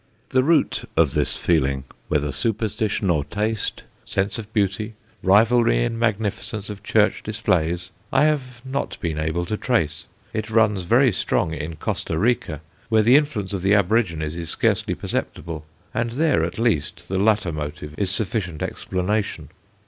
The root of this feeling, whether superstition or taste, sense of beauty, rivalry in magnificence of church displays, I have not been able to trace. It runs very strong in Costa Rica, where the influence of the aborigines is scarcely perceptible, and there, at least, the latter motive is sufficient explanation.